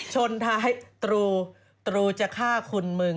ชนท้ายตรูจะฆ่าคุณมึง